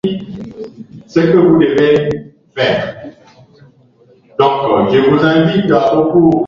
Waandamanaji wawili wameuawa kwa kupigwa risasi nchini Sudan